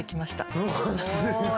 うおすごい！